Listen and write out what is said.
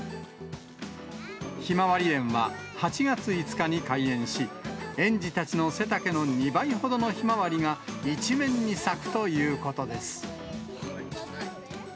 ひまわり園は８月５日に開園し、園児たちの背丈の２倍ほどのひまわりが一面に咲くということです。